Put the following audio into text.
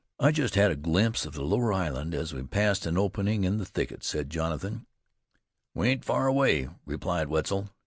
"I just had a glimpse of the lower island, as we passed an opening in the thicket," said Jonathan. "We ain't far away," replied Wetzel.